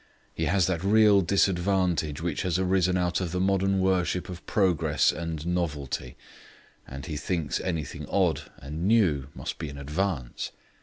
He has that real disadvantage which has arisen out of the modern worship of progress and novelty; and he thinks anything odd and new must be an advance.